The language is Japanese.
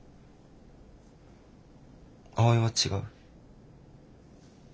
葵は違う？